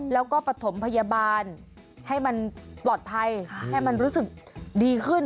แล้วก็ปฐมพยาบาลให้มันปลอดภัยให้มันรู้สึกดีขึ้น